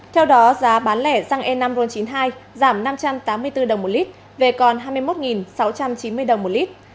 theo đó giá bán lẻ xăng e năm ron chín mươi hai giảm năm trăm tám mươi bốn đồng một lít về còn hai mươi một sáu trăm chín mươi đồng một lít